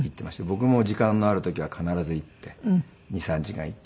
僕も時間のある時は必ず行って２３時間行って。